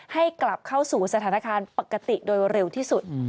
ให้กลับเข้าสู่สถานการณ์ปกติโดยเร็วที่สุด